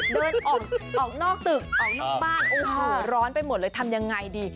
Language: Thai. เดินออกนอกตึกออกนอกบ้านโอ้โหร้อนไปหมดเลยทำยังไงดี